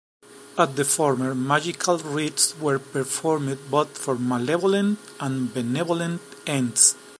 At the former, magical rites were performed both for malevolent and benevolent ends.